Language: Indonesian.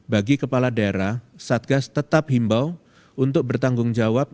bagi kepala daerah satgas tetap himbau untuk bertanggung jawab